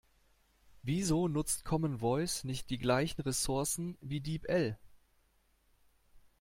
Wieso nutzt Common Voice nicht die gleichen Resourcen wie Deep-L?